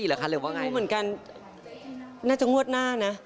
เหมือนกันน่าจะงวดหน้าน่ะ